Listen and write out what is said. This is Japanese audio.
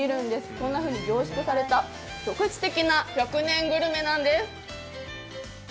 こんなふうに凝縮された局地的な１００年グルメなんです。